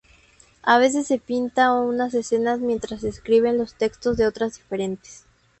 A veces se pintan unas escenas mientras se escriben los textos de otras diferentes.